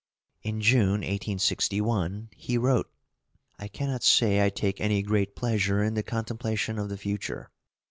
In June, 1861, he wrote: I cannot say I take any great pleasure in the contemplation of the future.